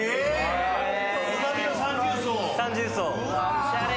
おしゃれ！